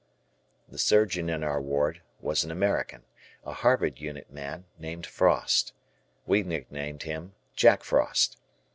The surgeon in our ward was an American, a Harvard Unit man, named Frost. We nicknamed him "Jack Frost."